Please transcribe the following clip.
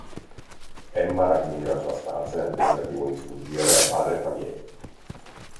Emma raggiunge la sua stanza nel tentativo di sfuggire a Padre Xavier.